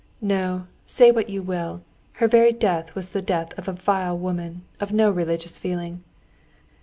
No, say what you will, her very death was the death of a vile woman, of no religious feeling.